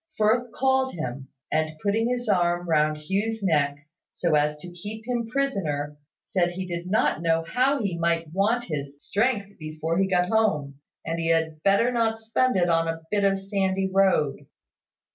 Firth called him, and putting his arm round Hugh's neck, so as to keep him prisoner, said he did not know how he might want his strength before he got home, and he had better not spend it on a bit of sandy road.